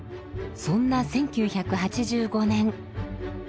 そんな１９８５年。